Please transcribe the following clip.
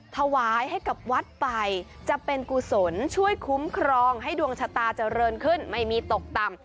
ถวายให้กับวัดไปจะเป็นกุศลช่วยคุ้มครองให้ดวงชะตาเจริญขึ้นไม่มีตกต่ำ